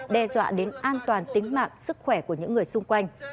đe dọa đến an toàn tính mạng sức khỏe của những người xung quanh